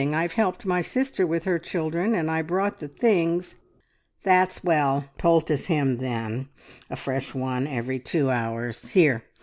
I've helped my sister with her children, and I brought the things..." "That's well! Poultice him then, a fresh one every two hours. Here!